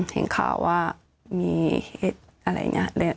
เห็นข่าวว่ามีอะไรเนี่ย